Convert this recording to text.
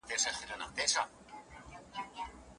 د خوړو پاتې شوني ژر لرې کړئ.